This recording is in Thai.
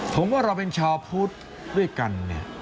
ผมว่าเราเป็นชาวพูดด้วยกัน